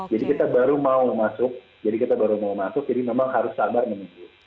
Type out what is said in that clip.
jadi kita baru mau masuk jadi memang harus sabar menunggu